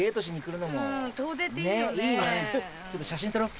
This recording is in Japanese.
ちょっと写真撮ろう！